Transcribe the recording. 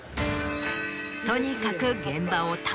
とにかく。